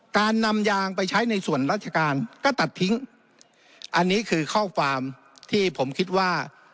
การนำยางไปใช้ในส่วนราชการก็ตัดทิ้งอันนี้คือข้อความที่ผมคิดว่า